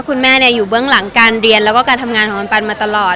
คุณแม่อยู่เบื้องหลังการเรียนแล้วก็การทำงานของคุณปันมาตลอด